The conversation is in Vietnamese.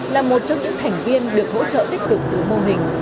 là một trong những thành viên được hỗ trợ tích cực từ mô hình